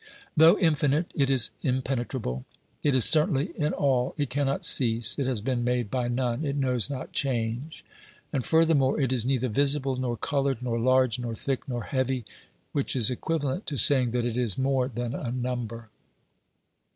Though infinite, it is impenetrable ; it is certainly in all ; it cannot cease, it has been made by none, it knows not change ; and furthermore, it is neither visible, nor coloured, nor large, nor thick, nor heavy : which is equiva lent to saying that it is more than a number.